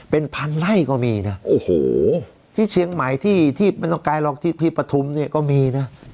เป็นพันไล่ก็มีนะโอ้โหที่เชียงใหม่ที่ไม่ต้องไกลหรอกที่ปฐุมเนี่ยก็มีนะ